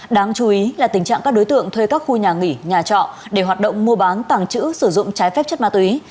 đáng chú ý là tình trạng các đối tượng thuê các khu nhà nghỉ nhà trọ để hoạt động mua bán tàng trữ sử dụng trái phép chất ma túy